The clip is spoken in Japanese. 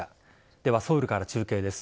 ではソウルから中継です。